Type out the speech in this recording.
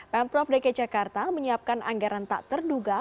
pemprov dki jakarta menyiapkan anggaran tak terduga